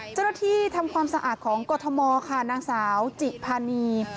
เจ้าหน้าที่ทำความสะอาดของกฎมอลค่ะนางสาวจิภานี